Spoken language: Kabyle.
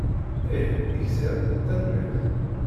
Ih, gziɣ, tanemmirt.